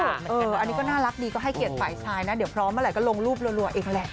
อันนี้ก็น่ารักดีก็ให้เกียรติฝ่ายชายนะเดี๋ยวพร้อมเมื่อไหร่ก็ลงรูปรัวเองแหละ